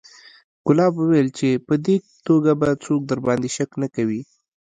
ګلاب وويل چې په دې توګه به څوک درباندې شک نه کوي.